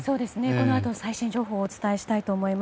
このあと最新情報をお伝えしたいと思います。